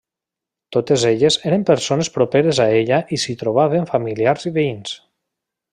Totes elles eren persones properes a ella i s'hi trobaven familiars i veïns.